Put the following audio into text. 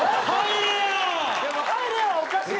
「入れ」はおかしい。